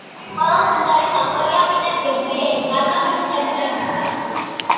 ყველა სიმღერის ავტორია პიტერ გებრიელი, გარდა მითითებულისა.